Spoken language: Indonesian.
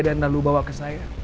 dan lalu bawa ke saya